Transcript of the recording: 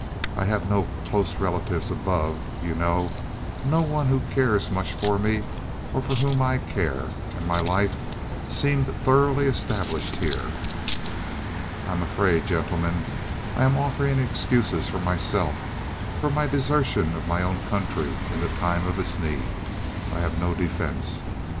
I have no close relatives above, you know, no one who cares much for me or for whom I care, and my life seemed thoroughly established here. "I am afraid gentlemen, I am offering excuses for myself for my desertion of my own country in its time of need. I have no defense.